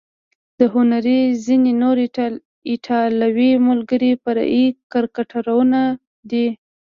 د هنري ځینې نور ایټالوي ملګري فرعي کرکټرونه دي.